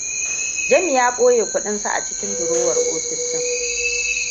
Jami ya ɓoye kuɗinsa cikin durowar ofis ɗin.